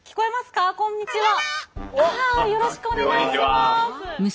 あよろしくお願いします。